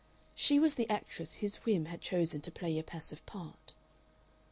She was the actress his whim had chosen to play a passive part....